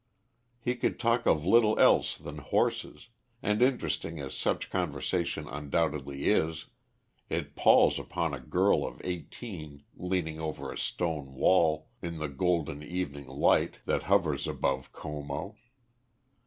He could talk of little else than horses, and interesting as such conversation undoubtedly is, it palls upon a girl of eighteen leaning over a stone wall in the golden evening light that hovers above Como.